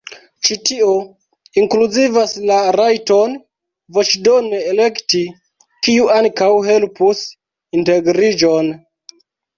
Ĉi tio inkluzivas la rajton voĉdone elekti, kiu ankaŭ helpus integriĝon.